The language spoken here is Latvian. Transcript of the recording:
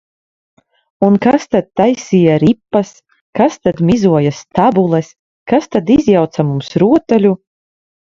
Un kas tad taisīja ripas, kas tad mizoja stabules, kas tad izjauca mums rotaļu?